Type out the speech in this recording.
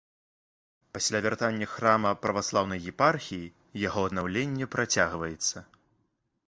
Пасля вяртання храма праваслаўнай епархіі яго аднаўленне працягваецца.